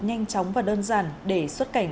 nhanh chóng và đơn giản để xuất cảnh